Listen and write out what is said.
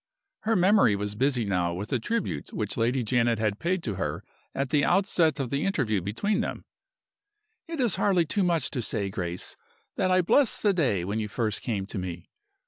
Her memory was busy now with the tribute which Lady Janet had paid to her at the outset of the interview between them: "It is hardly too much to say, Grace, that I bless the day when you first came to me."